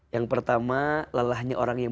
yang pertama lelahnya orang yang